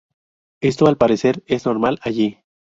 Esto al parecer es normal allí.